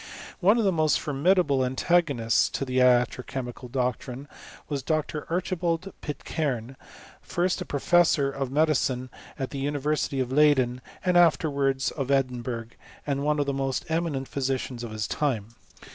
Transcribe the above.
One of the most formidable antagonists to the iatro chemical doctrines was Dr» Archibald Pitcaime, first a professor of medicine in the University of Leyden, and afterwards of Edinburgh, and one of the most eminent physicians of his time.